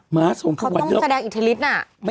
เขาต้องแสดงอิทธิฤทธิน่ะ